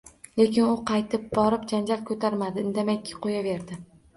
Lekin u qaytib borib janjal koʻtarmadi, indamay qoʻyaverdi